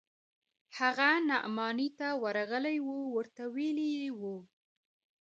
هغه نعماني ته ورغلى و ورته ويلي يې و.